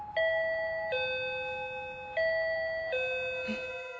えっ？